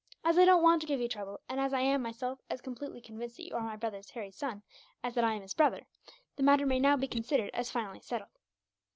As I don't want to give you trouble; and as I am, myself, as completely convinced that you are my brother Harry's son as that I am his brother, the matter may now be considered as finally settled."